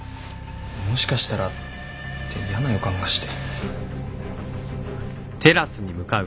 もしかしたらって嫌な予感がして。